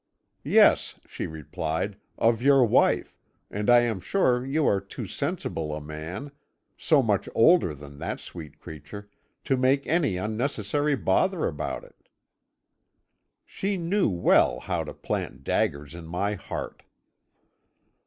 "'Yes,' she replied, 'of your wife, and I am sure you are too sensible a man so much older than that sweet creature! to make any unnecessary bother about it.' "She knew well how to plant daggers in my heart.